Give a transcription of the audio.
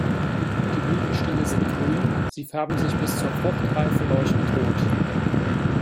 Die Blütenstiele sind grün, sie färben sich bis zur Fruchtreife leuchtend rot.